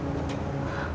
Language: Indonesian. ya udah aku mau pergi nih